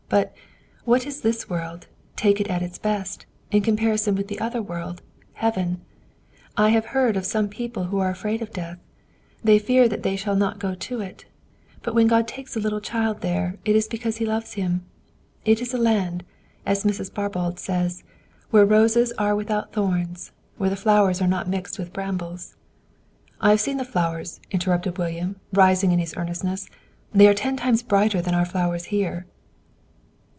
But, what is this world, take it at its best, in comparison with that other world, Heaven? I have heard of some people who are afraid of death; they fear they shall not go to it; but when God takes a little child there it is because He loves him. It is a land, as Mrs. Barbauld says, where the roses are without thorns, where the flowers are not mixed with brambles " "I have seen the flowers," interrupted William, rising in his earnestness. "They are ten times brighter than our flowers here."